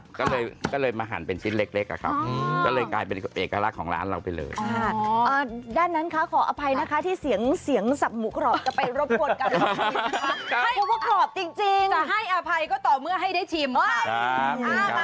ทุกคนกรอบหมดสิครับเพราะว่ากรอบจริงจะให้อภัยก็ต่อเมื่อให้ได้ชิมครับ